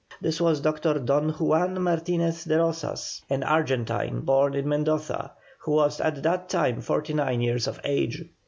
This was Dr. Don Juan Martinez de Rozas, an Argentine, born in Mendoza, who was at that time forty nine years of age.